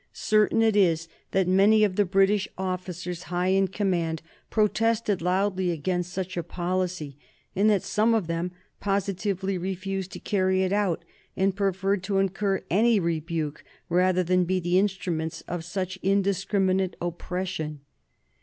Certain it is that many of the British officers high in command protested loudly against such a policy, and that some of them positively refused to carry it out, and preferred to incur any rebuke rather than be the instruments of such indiscriminate oppression.